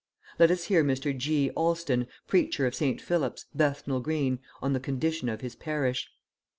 Let us hear Mr. G. Alston, preacher of St. Philip's, Bethnal Green, on the condition of his parish.